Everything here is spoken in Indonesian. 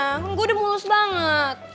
akun gue udah mulus banget